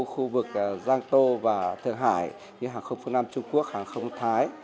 khu vực giang tô và thượng hải như hàng không phương nam trung quốc hàng không thái